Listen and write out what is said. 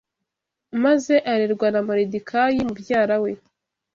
maze arerwa na Moridekayi mubyara we